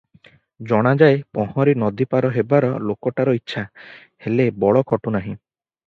ଜଣାଯାଏ ପହଁରି ନଦୀପାର ହେବାର ଲୋକଟାର ଇଚ୍ଛା, ହେଲେ ବଳ ଖଟୁ ନାହିଁ ।